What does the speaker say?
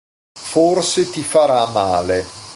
Forse ti farà male.